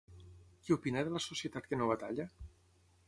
Què opina de la societat que no batalla?